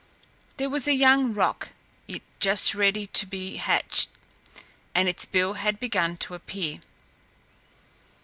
There was a young roc it just ready to be hatched, and its bill had begun to appear.